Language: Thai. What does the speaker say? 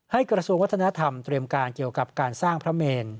กระทรวงวัฒนธรรมเตรียมการเกี่ยวกับการสร้างพระเมน